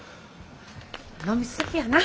飲み過ぎやな。